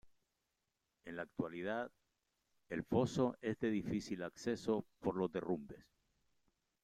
En la actualidad, el foso es de difícil acceso por los derrumbes.